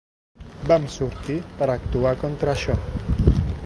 Vam sortir per actuar contra això.